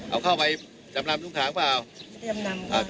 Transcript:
เอาเข้าไปจำนำยุงถังหรือเปล่า